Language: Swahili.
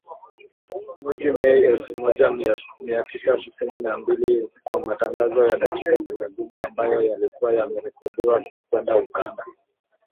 Mwezi Mei mwaka elfu moja mia tisa sitini na mbili kwa matangazo ya dakika thelathini ambayo yalikuwa yamerekodiwa kwenye ukanda